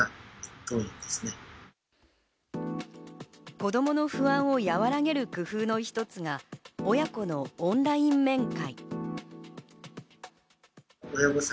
子供の不安を和らげる工夫の一つが、親子のオンライン面会。